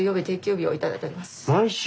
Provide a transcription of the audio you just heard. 毎週。